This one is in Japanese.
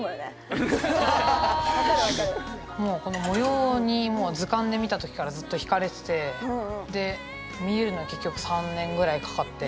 もうこの模様にもう図鑑で見た時からずっとひかれててで見えるのは結局３年ぐらいかかって。